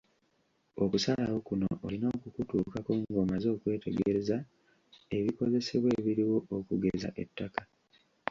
Okusalawo kuno olina okukutuukako ng’omaze okwetegereza ebikozesebwa ebiriwo okugeza ettaka.